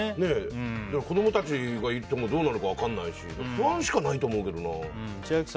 子供たちがいてもどうなのか分からないし不安しかないと思うけどね。